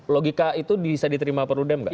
logika itu bisa diterima perludem nggak